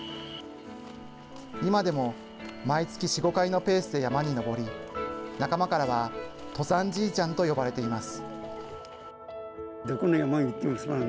今でも毎月４、５回のペースで山に登り、仲間からは登山じいちゃんと呼ばれています。